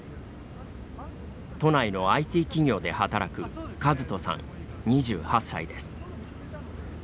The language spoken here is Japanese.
都内のＩＴ企業で働く和人さん、２８歳です。